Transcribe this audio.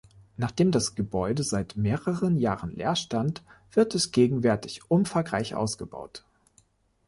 Nachdem das Gebäude seit mehreren Jahren leer stand, wird es gegenwärtig umfangreich ausgebaut.